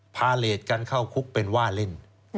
พาเลสกันเข้าคุกเป็นว่าเล่น